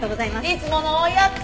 いつものおやつ！